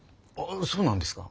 そうなんですか？